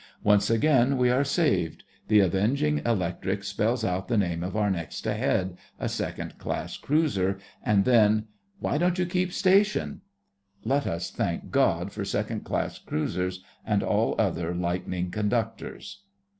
Once again we are saved. The avenging electric spells out the name of our next ahead, a second class cruiser—and then—'Why don't you keep station?_'_ Let us thank God for second class cruisers and all other lightning conductors!